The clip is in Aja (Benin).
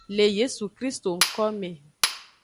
Le yesu krist ngkome.